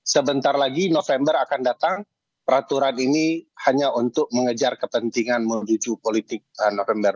sebentar lagi november akan datang peraturan ini hanya untuk mengejar kepentingan menuju politik november dua ribu dua puluh empat